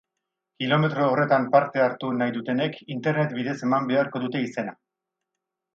Kilometro horretan parte hartu nahi dutenek internet bidez eman beharko dute izena.